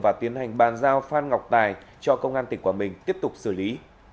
và tiến hành bàn giao phan ngọc tài cho công an tỉnh quảng bình tiếp tục xử lý